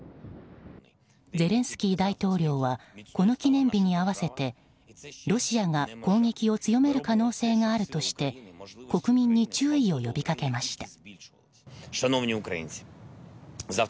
ゼレンスキー大統領はこの記念日に合わせてロシアが攻撃を強める可能性があるとして国民に注意を呼びかけました。